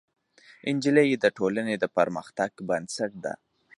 نجلۍ د ټولنې د پرمختګ بنسټ ده.